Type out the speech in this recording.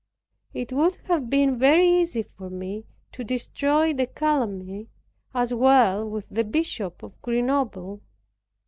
It would have been very easy for me to destroy the calumny, as well with the Bishop of Grenoble.